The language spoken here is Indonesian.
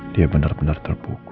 dia benar benar terpukul